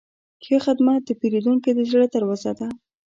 ښه خدمت د پیرودونکي د زړه دروازه ده.